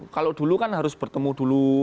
kalau dulu kan harus bertemu dulu